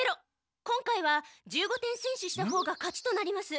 今回は１５点先取したほうが勝ちとなります。